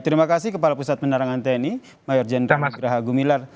terima kasih kepala pusat penerangan tni mayor jenderal graha gumilar